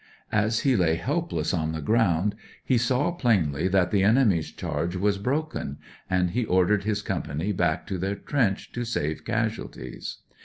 As he lay helpless on the ground he saw plainly that the enemy's charge was broken, and he ordered his company back to their trench to save casualties.